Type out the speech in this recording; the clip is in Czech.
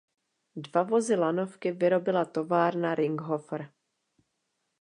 Dva vozy lanovky vyrobila továrna Ringhoffer.